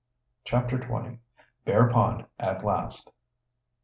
CHAPTER XX. BEAR POND AT LAST.